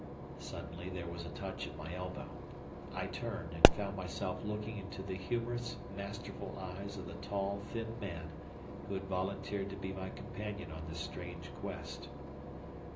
Suddenly there was a touch at my elbow. I turned, and found myself looking into the humorous, masterful eyes of the tall, thin man who had volunteered to be my companion on this strange quest.